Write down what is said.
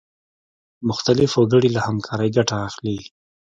مختلف وګړي له همکارۍ ګټه اخلي.